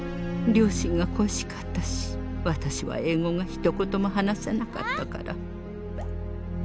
両親が恋しかったし私は英語がひと言も話せなかったから。